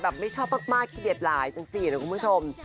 แบบไม่ชอบมากคิเดียดหลายจังสินะคุณผู้ชม